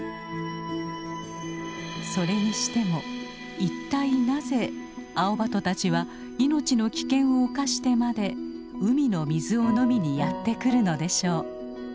それにしても一体なぜアオバトたちは命の危険を冒してまで海の水を飲みにやって来るのでしょう。